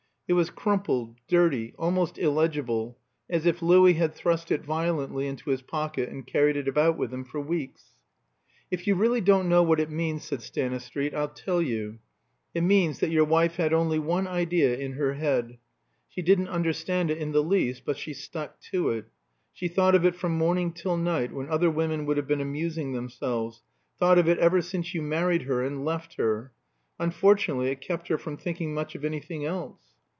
It was crumpled, dirty, almost illegible, as if Louis had thrust it violently into his pocket, and carried it about with him for weeks. "If you really don't know what it means," said Stanistreet, "I'll tell you. It means that your wife had only one idea in her head. She didn't understand it in the least, but she stuck to it. She thought of it from morning till night, when other women would have been amusing themselves; thought of it ever since you married her and left her. Unfortunately, it kept her from thinking much of anything else.